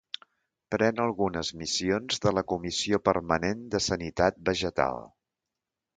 Pren algunes missions de la Comissió Permanent de Sanitat Vegetal.